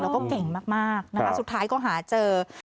เราก็เก่งมากสุดท้ายก็หาเจอ